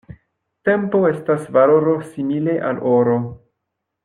Tempo estas valoro simile al oro.